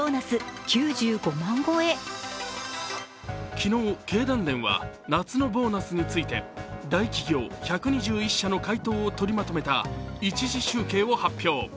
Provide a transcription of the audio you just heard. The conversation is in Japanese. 昨日、経団連は夏のボーナスについて大企業１２１社の回答を取りまとめた１次集計を発表。